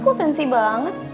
kok sensi banget